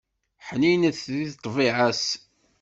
Ḥninet deg ṭṭbiɛa-s.